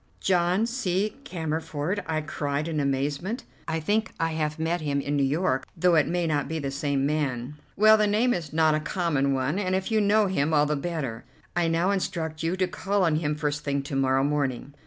"John C. Cammerford!" I cried in amazement. "I think I have met him in New York, though it may not be the same man." "Well, the name is not a common one, and if you know him, all the better. I now instruct you to call on him first thing to morrow morning.